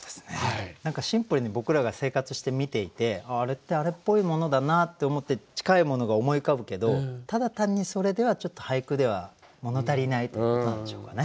シンプルに僕らが生活して見ていてあれってあれっぽいものだなって思って近いものが思い浮かぶけどただ単にそれではちょっと俳句ではもの足りないということなんでしょうかね。